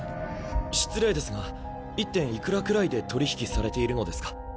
失礼ですが一点いくらくらいで取り引きされているのですか？